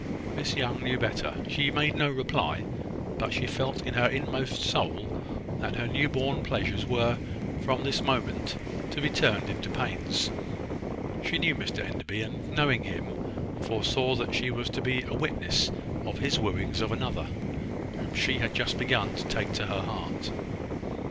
Miss Young knew better. She made no reply; but she felt in her inmost soul that her new born pleasures were, from this moment, to be turned into pains. She knew Mr Enderby; and knowing him, foresaw that she was to be a witness of his wooings of another, whom she had just begun to take to her heart.